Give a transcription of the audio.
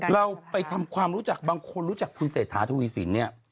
เราไปทำความรู้จักบางคนรู้จักคุณเศรษฐาทวีสินเนี่ย